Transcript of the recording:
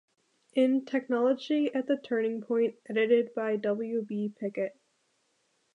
In "Technology at the Turning Point", edited by W. B. Pickett.